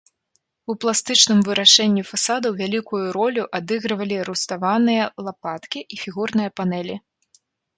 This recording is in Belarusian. У пластычным вырашэнні фасадаў вялікую ролю адыгрывалі руставаныя лапаткі і фігурныя панэлі.